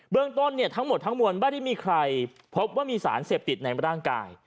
เรื่องต้นทั้งหมดทั้งมวลไม่ได้มีใครพบว่ามีสารเสพติดในร่างกาย